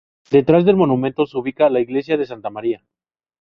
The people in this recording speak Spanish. Detrás del monumento se ubica la iglesia de Santa María.